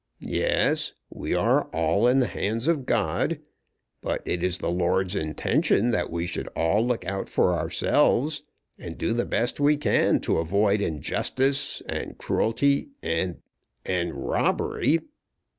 "Yes; we are all in the hands of God. But it is the Lord's intention that we should all look out for ourselves, and do the best we can to avoid injustice, and cruelty, and, and robbery."